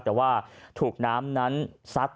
แต่ว่าถูกน้ำนั้นซัด